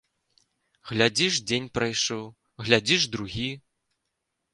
Глядзіш дзень прайшоў, глядзіш другі.